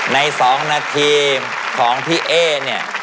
ใน๒นาทีของพี่เอ๊เนี่ย